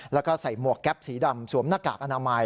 แล้วก็ใส่หมวกแก๊ปสีดำสวมหน้ากากอนามัย